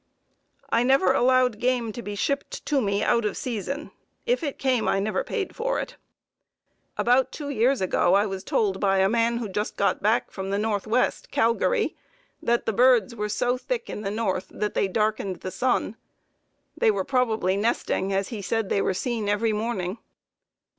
I never allowed game to be shipped to me out of season; if it came, I never paid for it. About two years ago I was told by a man who just got back from the Northwest, Calgary, that the birds were so thick in the north that they darkened the sun. They were probably nesting, as he said they were seen every morning....